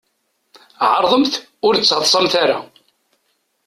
Ɛeṛḍemt ur d-ttaḍṣamt ara.